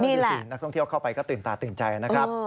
ดูสินักท่องเที่ยวเข้าไปก็ตื่นตาตื่นใจนะครับ